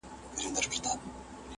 نه د مرګ یې چاته پته لګېدله،